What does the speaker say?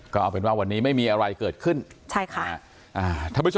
ก็เอาเป็นว่าวันนี้ไม่มีอะไรเกิดขึ้นใช่ค่ะอ่าถ้าผู้ชมคุยกันนะครับ